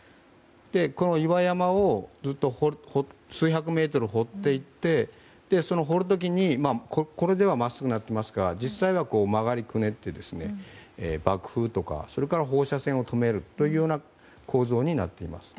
この岩山を数百メートル掘っていって掘る時に、これでは真っすぐなっていますが実際は曲がりくねって爆風とか放射線を止める構造になっています。